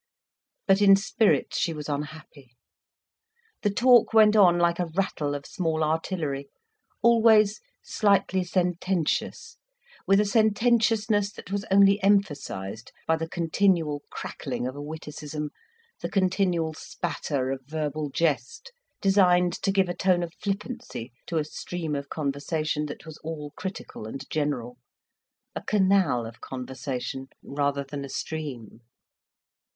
But in spirit she was unhappy. The talk went on like a rattle of small artillery, always slightly sententious, with a sententiousness that was only emphasised by the continual crackling of a witticism, the continual spatter of verbal jest, designed to give a tone of flippancy to a stream of conversation that was all critical and general, a canal of conversation rather than a stream.